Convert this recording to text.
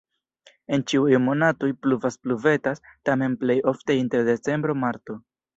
En ĉiuj monatoj pluvas-pluvetas, tamen plej ofte inter decembro-marto.